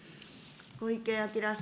小池晃さん。